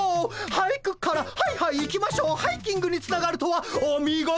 「俳句」から「ハイハイ行きましょハイキング」につながるとはお見事です。